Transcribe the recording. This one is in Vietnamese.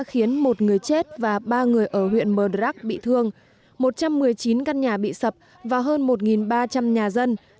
khiến một người chết và ba người ở huyện mờ rắc bị thương một trăm một mươi chín căn nhà bị sập và hơn một ba trăm linh nhà dân